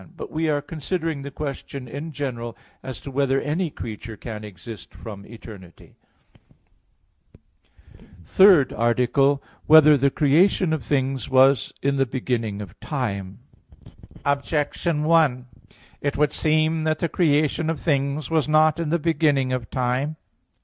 But we are considering the question in general, as to whether any creature can exist from eternity. _______________________ THIRD ARTICLE [I, Q. 46, Art. 3] Whether the Creation of Things Was in the Beginning of Time? Objection 1: It would seem that the creation of things was not in the beginning of time.